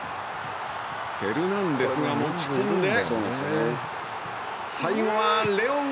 フェルナンデスが持ち込んで最後はレオン。